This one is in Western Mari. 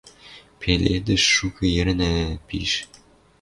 Пеледӹш шукы йӹрнӓ пиш